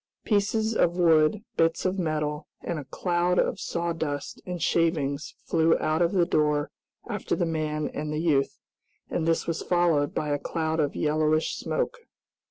Pieces of wood, bits of metal, and a cloud of sawdust and shavings flew out of the door after the man and the youth, and this was followed by a cloud of yellowish smoke.